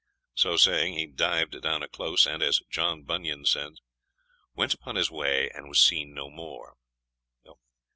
So saying, he dived down a close, and, as John Bunyan says, "went upon his way and was seen no more."